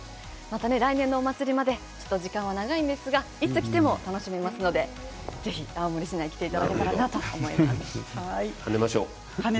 来年のお祭りまで時間は長いんですがいつ来ても楽しめますのでぜひ青森市内来ていただけたらと思います。